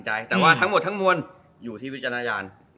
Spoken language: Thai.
แต่ว่าทั้งหมดทั้งมวลอยู่ที่วิจารณญาณ